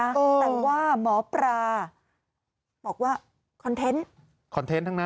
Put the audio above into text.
แต่ว่าหมอปลาบอกว่าคอนเทนต์คอนเทนต์ทั้งนั้น